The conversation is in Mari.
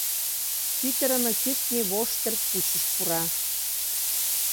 Пӱтырымӧ кӱртньӧ воштыр пучыш пура.